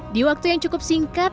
di waktu yang cukup singkat